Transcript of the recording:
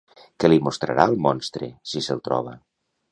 Què li mostrarà al monstre, si se'l troba?